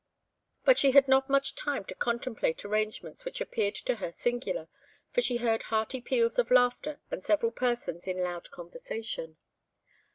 But she had not much time to contemplate arrangements which appeared to her singular, for she heard hearty peals of laughter and several persons in loud conversation.